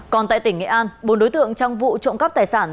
còn tại tỉnh nghệ an bốn đối tượng trong vụ trộm cắp tài sản